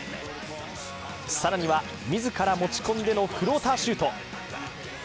更には自ら持ち込んでのフローターシュート。